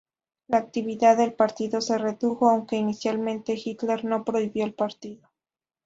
La actividad del partido se redujo, aunque inicialmente Hitler no prohibió al partido.